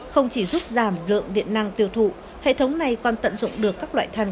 không chỉ giúp giảm lượng điện năng tiêu thụ hệ thống này còn tận dụng được các loại than